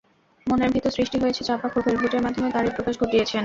মনের ভেতর সৃষ্টি হয়েছে চাপা ক্ষোভের, ভোটের মাধ্যমে তারই প্রকাশ ঘটিয়েছেন।